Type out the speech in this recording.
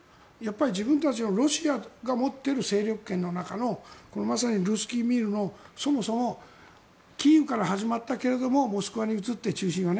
自分たちロシアが持っている勢力圏の中のまさにルースキー・ミールのそもそもキーウから始まったけどモスクワに移って、中心が。